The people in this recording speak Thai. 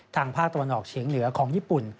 ภาคตะวันออกเฉียงเหนือของญี่ปุ่น